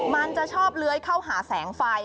มันจะชอบเลื้อยเข้าหาแสงไฟ